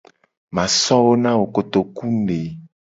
Ma so wo na wo kotoku ne.